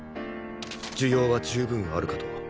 需要は十分あるかと。